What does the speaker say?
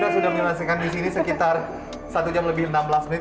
saya sudah menyelesaikan di sini sekitar satu jam lebih enam belas menit